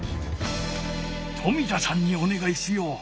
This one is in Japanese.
冨田さんにおねがいしよう。